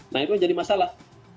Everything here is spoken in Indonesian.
nah itu jadi masalah